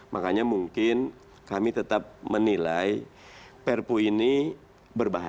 makanya mungkin kami tetap menilai perpu ini berbahaya